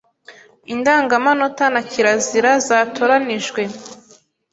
Indangamanota na kirazira zatoranijwe